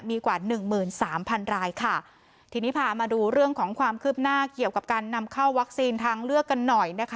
มีกว่าหนึ่งหมื่นสามพันรายค่ะทีนี้พามาดูเรื่องของความคืบหน้าเกี่ยวกับการนำเข้าวัคซีนทางเลือกกันหน่อยนะคะ